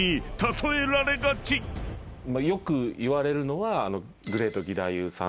よく言われるのは。